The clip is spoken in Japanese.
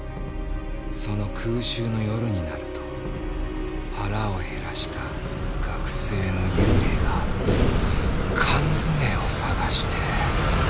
その空襲の夜になると腹を減らした学生の幽霊が缶詰を探して。